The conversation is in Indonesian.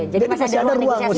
jadi masih ada ruang negosiasi